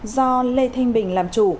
do lê thanh bình làm chủ